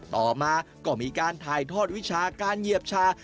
ต่อมาก็มีการถ่ายทอดวิชาการเหยียบชา